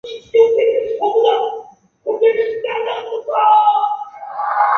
大公夫人也是卢森堡红十字会的会长和卢森堡癌症基金会的会长。